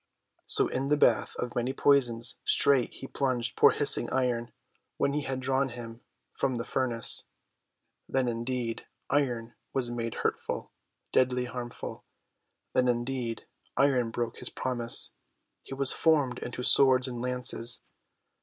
So in the bath of many poisons straight he plunged poor hissing Iron, when he had drawn him from the furnace. Then, indeed, Iron was made hurtful, deadly harmful. Then, indeed, blue Steel was angry. Then, indeed, Iron broke his promise. He was formed into swords and lances.